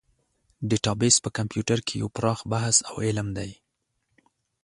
ډیټابیس په کمپیوټر کې یو پراخ بحث او علم دی.